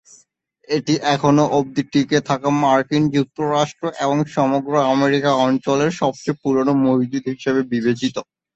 এটি এখনও অবধি টিকে থাকা মার্কিন যুক্তরাষ্ট্র এবং সমগ্র আমেরিকা অঞ্চলের সবচেয়ে পুরোনো মসজিদ হিসাবে বিবেচিত।